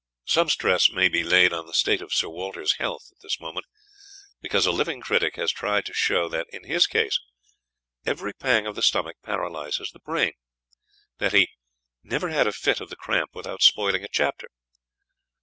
Some stress may be laid on the state of Sir Walter's health at this moment, because a living critic has tried to show that, in his case, "every pang of the stomach paralyses the brain;" that he "never had a fit of the cramp without spoiling a chapter."